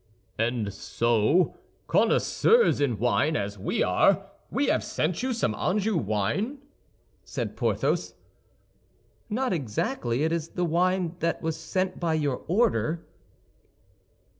"And so, connoisseurs in wine as we are, we have sent you some Anjou wine?" said Porthos. "Not exactly, it is the wine that was sent by your order."